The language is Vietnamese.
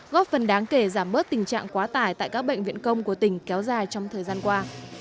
góp phần đáng kể giảm bớt tình trạng quá tải tại các bệnh viện công của tỉnh kéo dài trong thời gian qua